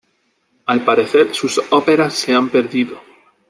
Al parecer sus óperas se han perdido.